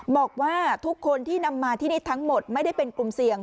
บอกว่าทุกคนที่นำมาที่นี่ทั้งหมดไม่ได้เป็นกลุ่มเสี่ยง